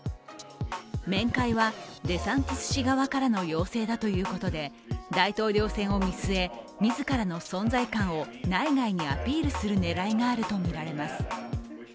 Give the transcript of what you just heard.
面会は、デサンティス氏側からの要請だということで大統領選を見据え、自らの存在感を内外にアピールする狙いがあるとみられます。